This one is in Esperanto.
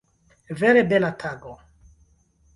Vere bela tago!